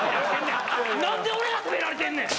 何で俺が責められてんねん！